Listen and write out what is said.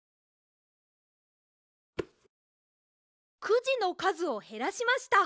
くじのかずをへらしました。